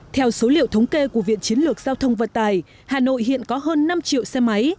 theo số liệu thống kê của viện chiến lược giao thông vận tài hà nội hiện có hơn năm triệu xe máy